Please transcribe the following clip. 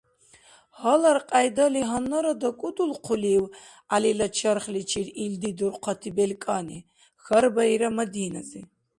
— Гьалар кьяйдали, гьаннара дакӏудулхъулив Гӏялила чархличир илди дурхъати белкӏани? — хьарбаира Мадинази.